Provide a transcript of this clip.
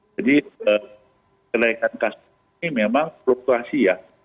jadi kenaikan kasus ini memang fluktuasi ya